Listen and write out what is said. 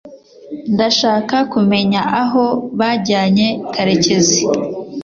ndashaka kumenya aho bajyanye karekezi